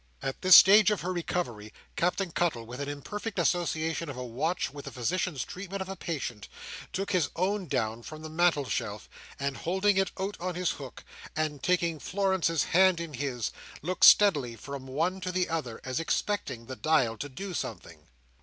At this stage of her recovery, Captain Cuttle, with an imperfect association of a Watch with a Physician's treatment of a patient, took his own down from the mantel shelf, and holding it out on his hook, and taking Florence's hand in his, looked steadily from one to the other, as expecting the dial to do something.